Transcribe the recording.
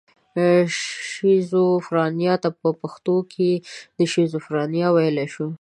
شیزوفرنیا ته په پښتو کې شیزوفرنیا ویلی شو.